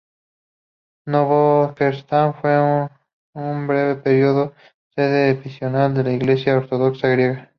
Novocherkask fue por un breve período sede episcopal de la Iglesia ortodoxa griega.